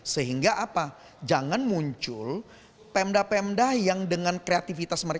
sehingga apa jangan muncul pemda pemda yang dengan kreativitas mereka